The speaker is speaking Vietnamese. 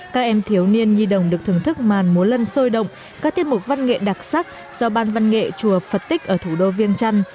các em thiếu niên nhi đồng được thưởng thức màn múa lân sôi động các tiết mục văn nghệ đặc sắc do ban văn nghệ chùa phật tích ở thủ đô viên trăn